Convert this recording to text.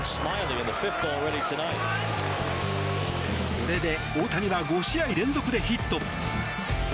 これで大谷は５試合連続でヒット。